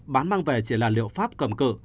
bán mang về chỉ là liệu pháp cầm cử